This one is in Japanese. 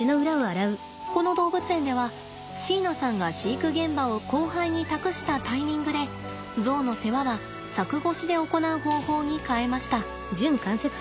この動物園では椎名さんが飼育現場を後輩に託したタイミングでゾウの世話は柵越しで行う方法に変えました。